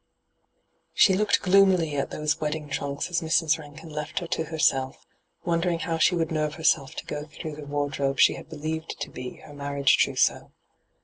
She looked gloomily at those wedding hyGoo>^lc ENTRAPPED 265 tmnkB as Mrs. Bankin left her to herself, wondering how she would nerve herself to go through the wardrobe she had believed to be her marriage troasseau.